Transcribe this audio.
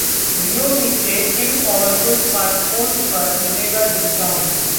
Xiaomi के इन popular smartphones पर मिलेगा डिस्काउंट